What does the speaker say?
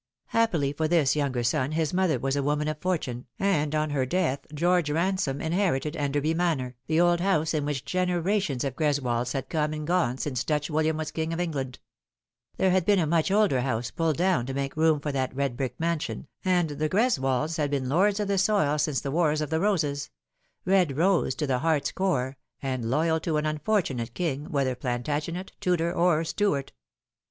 Happily for this younger son his mother was a woman of fortune, and on her death George Ransome inherited Enderby Manor, the old house in which generations of Greswolds had coma and gone since Dutch WUliam was King of England. 68 The Fatal Three. Tbore had been a much older house pulled down to make room i ,>r that red brick mansion, and the Greswolds had been lords of the soil since the Wars of the Roses red rose to the heart's core, and loyal to an unfortunate king, whether Plantagenet, Tudor, or Stuart.